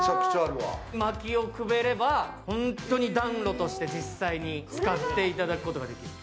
まきをくべれば、本当に暖炉として実際に使っていただくことができる。